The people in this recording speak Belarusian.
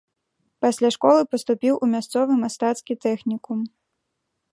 Пасля школы паступіў у мясцовы мастацкі тэхнікум.